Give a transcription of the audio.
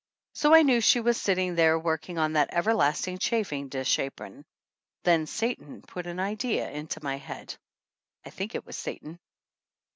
So I knew she was sitting there working on that everlasting chafing dish apron. Then Satan put an idea into my head. I think it was Satan.